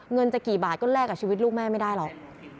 เงินจะกี่บาทก็แลกกับชีวิตลูกแม่ไม่ได้หรอก